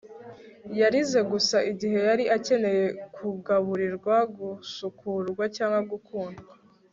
yarize gusa igihe yari akeneye kugaburirwa, gusukurwa, cyangwa gukundwa